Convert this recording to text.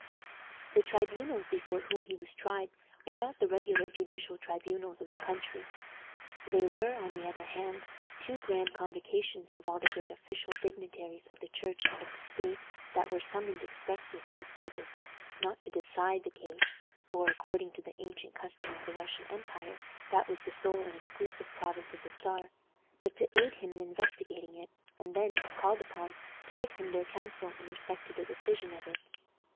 The tribunals before whom he was tried were not the regular judicial tribunals of the country. They were, on the other hand, two grand convocations of all the great official dignitaries of the Church and of the state, that were summoned expressly for this purpose not to decide the case, for, according to the ancient customs of the Russian empire, that was the sole and exclusive province of the Czar, but to aid him in investigating it, and then, if called upon, to give him their counsel in respect to the decision of it.